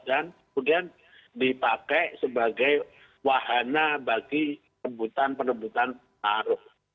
dan kemudian dipakai sebagai wahana bagi penemutan penebutan paruh